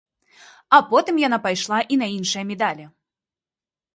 А потым яна пайшла і на іншыя медалі.